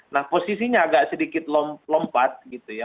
nah posisinya agak sedikit lompat gitu ya